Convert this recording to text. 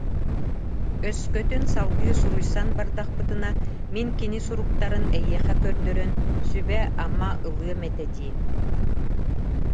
Өскөтүн салгыы суруйсан бардахпытына, мин кини суруктарын эйиэхэ көрдөрөн, сүбэ-ама ылыам этэ дии